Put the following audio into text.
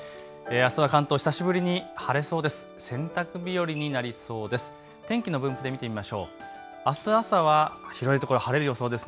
あすは関東久しぶり晴れそうです。